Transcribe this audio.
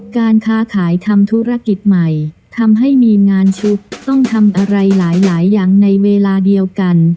การค้าขายทำธุรกิจใหม่ทำให้มีงานชุกต้องทำอะไรหลายอย่างในเวลาเดียวกัน